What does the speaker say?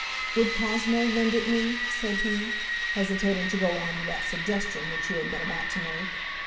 "Would Cosmo lend it me?" said he, hesitating to go on with that suggestion which he had been about to make.